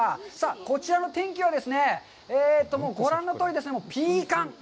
こちらの天気はですね、もうご覧のとおりピーカン。